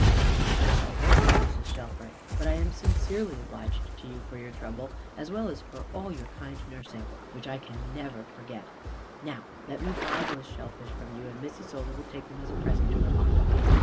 "Of course I won't, Mrs. Shelfer. But I am sincerely obliged to you for your trouble, as well as for all your kind nursing, which I can never forget. Now let me buy those shellfish from you, and Miss Isola will take them as a present to her papa."